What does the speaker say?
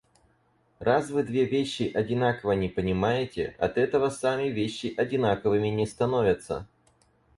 Раз вы две вещи одинаково не понимаете, от этого сами вещи одинаковыми не становятся.